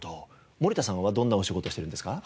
森田さんはどんなお仕事しているんですか？